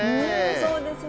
そうですね。